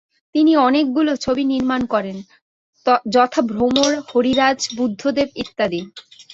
তিনি অনেকগুলি ছবি নির্মাণ করেন, যথা ভ্রমর, হরিরাজ, বুদ্ধদেব ইত্যাদি।